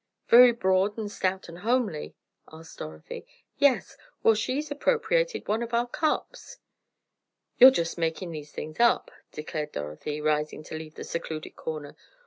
"Very broad and stout and homely?" asked Dorothy. "Yes. Well, she appropriated one of our cups!" "You're just making these things up!" declared Dorothy, rising to leave the secluded corner.